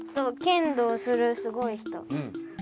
「けんどうするすごい人！」。